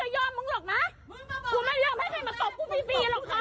ใจเย็นพี่